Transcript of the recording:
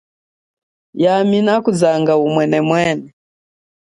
Yami nakuzanga umwenemwene.